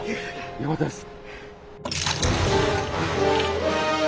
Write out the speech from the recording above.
よかったです。